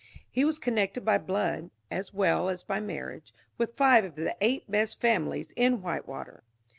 He was connected by blood (as well as by marriage) with five of the eight best families in Whitewater.